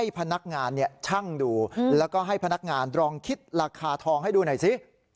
พนักงานช่างดูแล้วก็ให้พนักงานลองคิดราคาทองให้ดูหน่อยสิ